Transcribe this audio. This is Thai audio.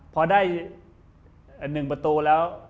พอได้๑ประตูแล้ว